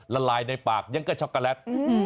ละลายในปากยังก็ช็อกโกแลต